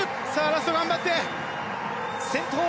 ラスト頑張って。